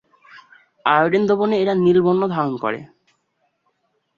Iodine দ্রবণে এরা নীল বর্ণ ধারণ করে।